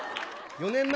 ４年前？